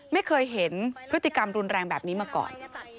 ไม่เคยเห็นพฤติกรรมรุนแรงแบบนี้มาก่อน